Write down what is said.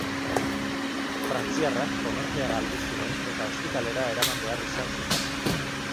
Frantziarrak konortea galdu zuen eta ospitalera eraman behar izan zuten.